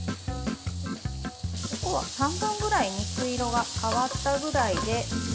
ここは半分ぐらい肉色が変わったぐらいで。